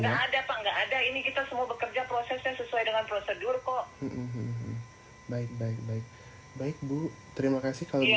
nggak ada pak nggak ada ini kita semua bekerja prosesnya sesuai dengan prosedur kok